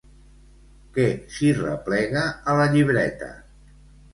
Què s'hi replega a la llibreta?